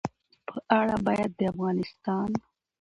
په اړه باید د افغانستان